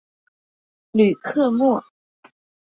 吕克莫。